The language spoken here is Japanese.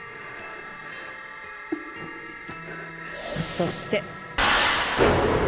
そして。